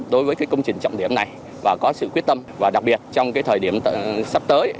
đối với công trình trọng điểm này và có sự quyết tâm và đặc biệt trong thời điểm sắp tới